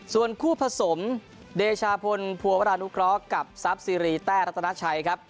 ส่วนคู่ผสมเดชาพลภัวรานุเคราะห์กับทรัพย์ซีรีแต้รัตนาชัยครับ